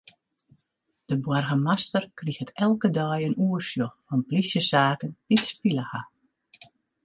De boargemaster kriget elke dei in oersjoch fan plysjesaken dy't spile ha.